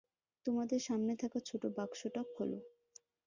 তোমাদের সামনে থাকা ছোট বক্সটা খোলো।